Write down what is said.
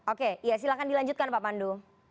oke ya silahkan dilanjutkan pak pandu